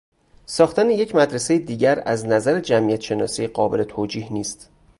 ساختن یک مدرسهی دیگر از نظر جمعیتشناسی قابل توجیه نیست.